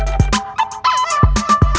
kau mau kemana